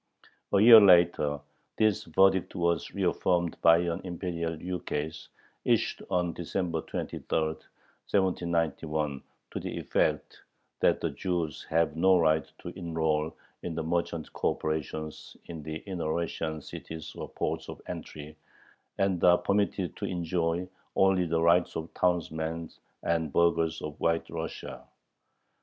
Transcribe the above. A year later this verdict was reaffirmed by an Imperial ukase issued on December 23, 1791, to the effect that "the Jews have no right to enroll in the merchant corporations in the inner Russian cities or ports of entry, and are permitted to enjoy only the rights of townsmen and burghers of White Russia."